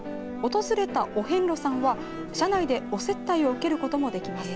訪れたお遍路さんは車内でお接待を受けることもできます。